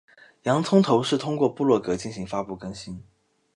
洋葱头是通过部落格进行发布更新。